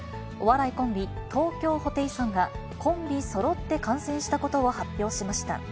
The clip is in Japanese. お笑いコンビ、東京ホテイソンがコンビそろって感染したことを発表しました。